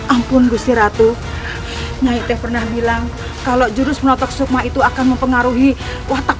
ampun gusti ratu nayite pernah bilang kalau jurus penotak sukma itu akan mempengaruhi watakku